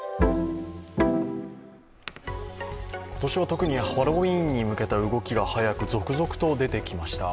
今年はハロウィーンに向けた動きが速く続々と出てきました。